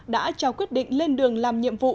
đã trao quyết định lên đường làm nhiệm vụ